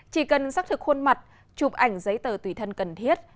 chỉ cần xác thực khuôn mặt chụp ảnh giấy tờ tùy thân cần thiết